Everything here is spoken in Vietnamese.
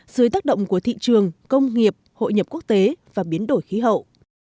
dưới tác động của thị trường công nghiệp hội nhập quốc tế và biến đổi khí hậu